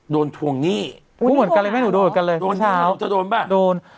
โดนทวงหนี้คุณสาวโดนคุณจะโดนป่ะโดน